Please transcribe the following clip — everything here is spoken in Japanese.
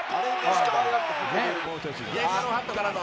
「テンガロンハットからの」